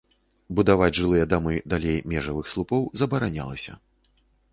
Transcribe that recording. Будаваць жылыя дамы далей межавых слупоў забаранялася.